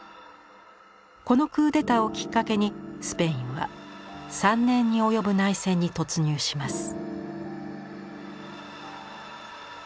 このクーデターをきっかけにスペインは３年に及ぶ内戦に突入します。